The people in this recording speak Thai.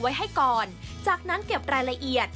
ไว้ให้ก่อนจากนั้นเก็บรายละเอียด